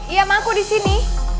iya mam aku di sini